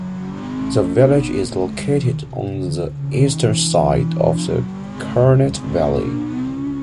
The village is located on the eastern side of the Churnet valley.